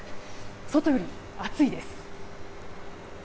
外より暑いです。